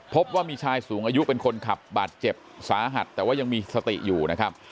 พบว่ามีชายสูงอายุเป็นคนขับบาดเจ็บสาหัสแต่ว่ายังมีสติอยู่นะครับ